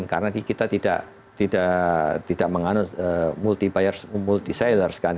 karena kita tidak mengandung multi buyer multi seller kan